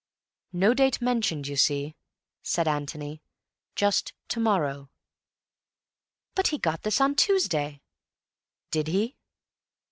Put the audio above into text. _ "No date mentioned, you see," said Antony. "Just to morrow." "But he got this on Tuesday." "Did he?"